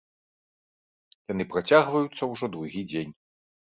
Яны працягваюцца ўжо другі дзень.